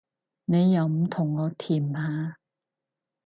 你又唔同我甜下